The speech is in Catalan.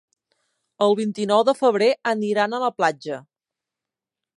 El vint-i-nou de febrer aniran a la platja.